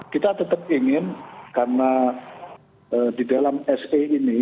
kita tetap ingin karena di dalam se ini